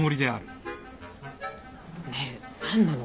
ねぇ何なの？